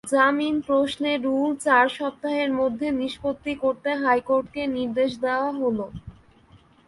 জামিন প্রশ্নে রুল চার সপ্তাহের মধ্য নিষ্পত্তি করতে হাইকোর্টকে নির্দেশ দেওয়া হলো।